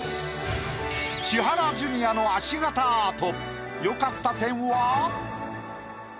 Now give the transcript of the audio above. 千原ジュニアの足形アート。